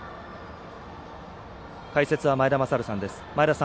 解説は前田正治さんです。